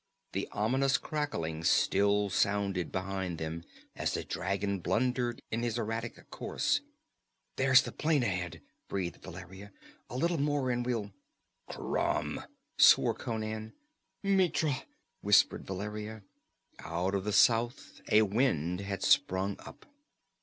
The ominous crackling still sounded behind them, as the dragon blundered in his erratic course. "There's the plain ahead," breathed Valeria. "A little more and we'll " "Crom!" swore Conan. "Mitra!" whispered Valeria. Out of the south a wind had sprung up.